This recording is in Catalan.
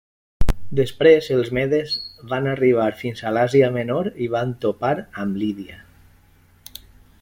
Després els medes van arribar fins a l'Àsia Menor i van topar amb Lídia.